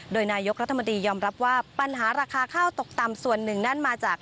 โดยนายกรัฐมนตรียอมรับว่าปัญหาราคาข้าวตกต่ำส่วนหนึ่งนั่นมาจาก